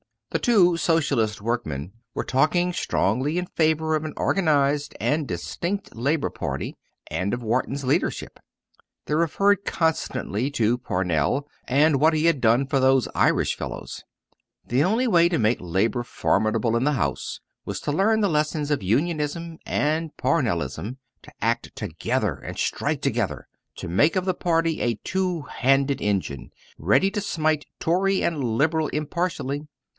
The two Socialist workmen were talking strongly in favour of an organised and distinct Labour party, and of Wharton's leadership. They referred constantly to Parnell, and what he had clone for "those Irish fellows." The only way to make Labour formidable in the House was to learn the lesson of Unionism and of Parnellism, to act together and strike together, to make of the party a "two handed engine," ready to smite Tory and Liberal impartially.